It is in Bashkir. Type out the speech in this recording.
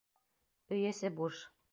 Өй эсе буш.